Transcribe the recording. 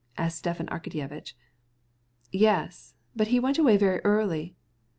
asked Stepan Arkadyevitch. "Yes; but he left rather early."